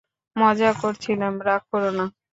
মজা করছিলাম, রাগ করোনা।